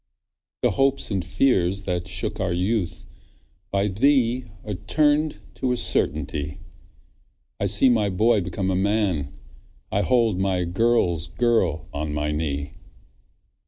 The hopes and fears that shook our youth, By thee are turn'd to a certainty; I see my boy become a man, I hold my girl's girl on my knee.